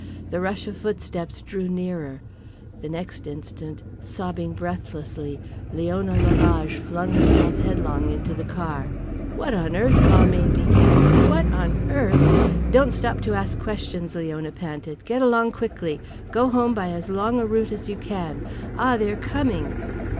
The rush of footsteps drew nearer. The next instant, sobbing breathlessly, Leona Lalage flung herself headlong into the car. "What on earth," Balmayne began, "what on earth " "Don't stop to ask questions," Leona panted. "Get along quickly. Go home by as long a route as you can. Ah, they are coming."